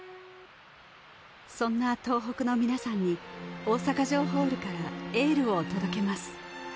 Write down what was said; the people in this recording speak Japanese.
そんな東北のみなさんに大阪城ホールからエールを届けます